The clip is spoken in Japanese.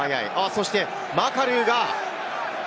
そしてマカルーが。